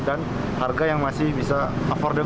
dan harga yang masih bisa affordable